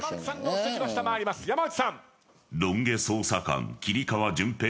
山内さん。